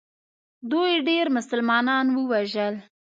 دوی ډېر مسلمانان ووژل.